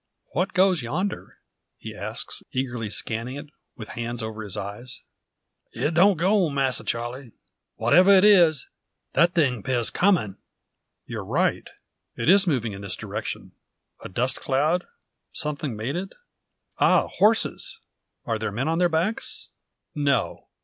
"What goes yonder?" he asks, eagerly scanning it, with hands over his eyes. "It don't go, Masser Charle, whatever it is. Dat thing 'pears comin'." "You're right. It is moving in this direction. A dust cloud; something made it. Ah! horses! Are there men on their backs? No.